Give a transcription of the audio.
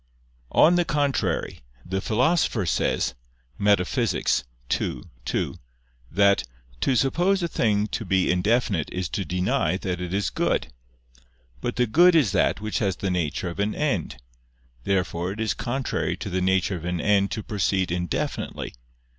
On the contrary, The Philosopher says (Metaph. ii, 2) that "to suppose a thing to be indefinite is to deny that it is good." But the good is that which has the nature of an end. Therefore it is contrary to the nature of an end to proceed indefinitely.